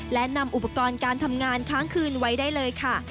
และนำอุปกรณ์การทำงานค้างคืนไว้ได้เลยค่ะ